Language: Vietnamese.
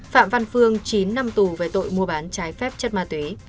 phạm văn phương chín năm tù về tội mua bán trái phép chất ma túy